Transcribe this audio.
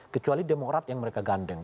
kecuali demokrat yang mereka gandeng